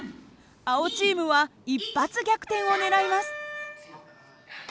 青チームは一発逆転を狙います。